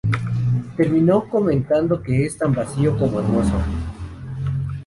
Terminó comentando que es "tan vació como hermoso".